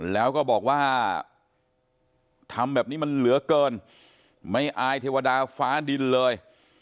แล้วก็บอกว่าทำแบบนี้มันเหลือเกินไม่อายเทวดาฟ้าดินเลย